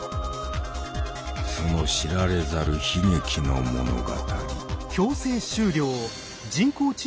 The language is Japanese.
その知られざる悲劇の物語。